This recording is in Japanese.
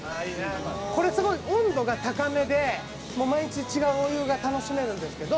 「これすごい温度が高めで毎日違うお湯が楽しめるんですけど」